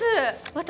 私